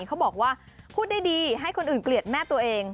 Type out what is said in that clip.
เขาบอกว่าพูดได้ดีให้คนอื่นเกลียดแม่ตัวเอง